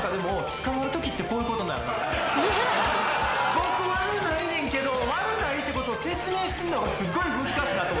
僕はねないねんけど悪ないってことを説明すんのがすごい難しかっとって。